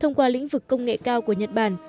thông qua lĩnh vực công nghệ cao của nhật bản